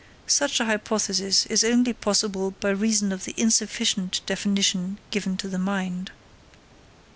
Such a hypothesis is only possible by reason of the insufficient definition given to the mind.